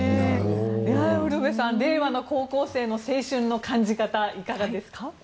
ウルヴェさん令和の高校生の青春の感じ方いかがですか？